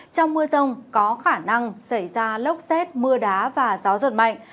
trong mưa rông có khả năng xảy ra lốc xét mưa đá và gió giật mạnh